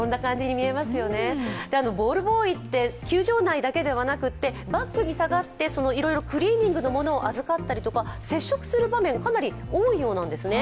ボールボーイって、球場内だけではなくて、バックに下がっていろいろクリーニングのものを預かったりとか接触する場面かなり多いようなんですね。